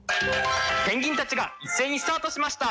ペンギンたちが一斉にスタートしました！